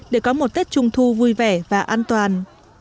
để có một tết trung thu vui vẻ và an toàn